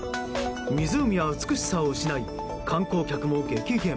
湖は美しさを失い観光客も激減。